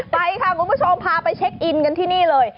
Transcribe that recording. ไปค่ะคุณผู้ชมพาไปเช็คอินกันที่นี่เลย